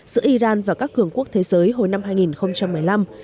giữa iran và các cường quốc thế giới hồi năm hai nghìn một mươi năm